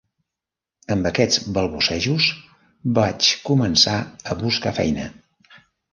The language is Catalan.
Amb aquests balbucejos vaig començar a buscar feina.